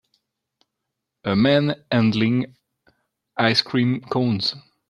A man handling ice cream cones.